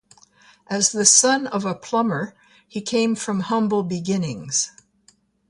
As the son of a plumber, he came from humble beginnings.